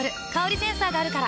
センサーがあるから。